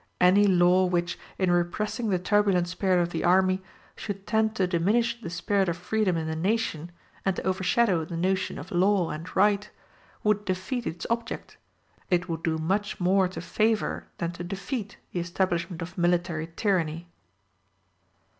Any law which, in repressing the turbulent spirit of the army, should tend to diminish the spirit of freedom in the nation, and to overshadow the notion of law and right, would defeat its object: it would do much more to favor, than to defeat, the establishment of military tyranny.